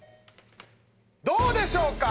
どうでしょうか？